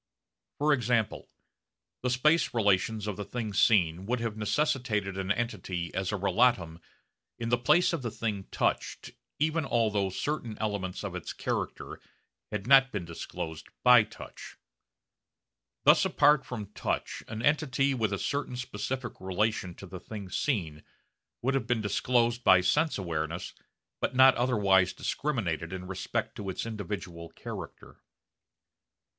For example, the space relations of the thing seen would have necessitated an entity as a relatum in the place of the thing touched even although certain elements of its character had not been disclosed by touch. Thus apart from the touch an entity with a certain specific relation to the thing seen would have been disclosed by sense awareness but not otherwise discriminated in respect to its individual character.